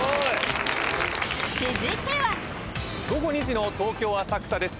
続いては午後２時の東京・浅草です